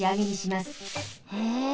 へえ。